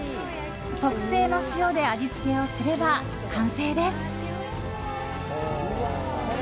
特製の塩で味付けをすれば完成です。